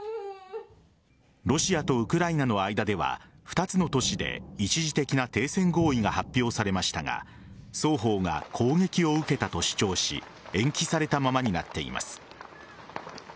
ロシアとウクライナの間では２つの都市で一時的な停戦合意が発表されましたが双方が攻撃を受けたと主張し延期されたままになっています。